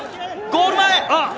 ゴール前！